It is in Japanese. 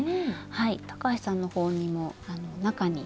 はい高橋さんのほうにも中に。